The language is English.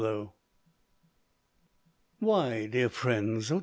BLISS. Why, dear friends, oh!